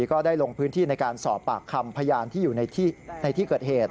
ก็ได้ลงพื้นที่ในการสอบปากคำพยานที่อยู่ในที่เกิดเหตุ